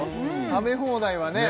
食べ放題はね